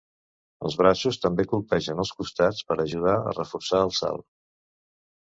Els braços també colpegen els costats per ajudar a reforçar el salt.